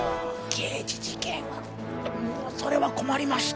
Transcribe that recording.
刑事事件はもうそれは困りました